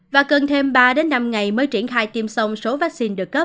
và cần thêm ba năm ngày mới triển khai tiêm xong